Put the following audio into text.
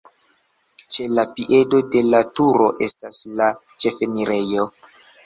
Ĉe la piedo de la turo estas la ĉefenirejo.